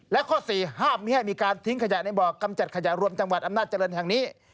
และข้อ๔ห้ามไม่ให้มีการทิ้งขยะในบ่อกำจัดขยะรวมจังหวัดอำนาจเจริญแห่งนี้